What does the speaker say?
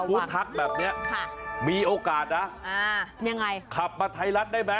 ถ้าคุณพักแบบเนี้ยมีโอกาสนะยังไงขับมาไทยรัฐได้มั้ย